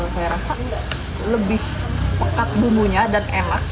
saya rasa lebih pekat bumbunya dan enak